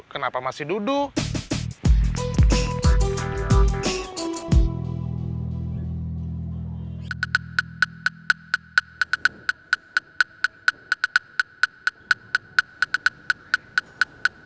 kenapa masih duduk